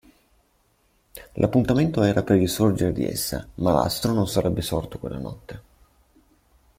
L'appuntamento era per il sorgere di essa, ma l'astro non sarebbe sorto quella notte.